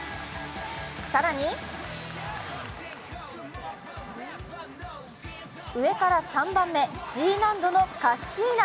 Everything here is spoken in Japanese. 更に上から３番目、Ｇ難度のカッシーナ。